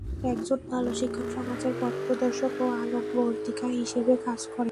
একজন ভালো শিক্ষক সমাজের পথপ্রদর্শক ও আলোকবর্তিকা হিসেবে কাজ করেন।